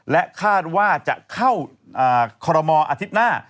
และคาดว่าจะเข้าคอรมอลอาทิตย์หน้า